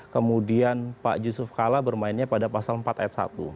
kemudian pak yusuf kala bermainnya pada pasal empat ayat satu